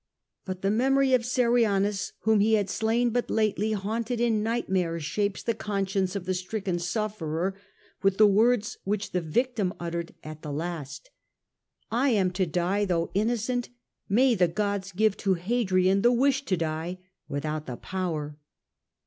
But the memory of Servianus, whom he had slain but lately, haunted in nightmare shapes the conscience of the stricken sufferer with the words which the victim uttered at the last :—' I am to die though innocent ; may the gods give to Hadrian the wish to die, without the power.